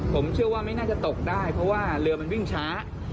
ผมเชื่อว่าไม่น่าจะตกได้เพราะว่าเรือมันวิ่งช้า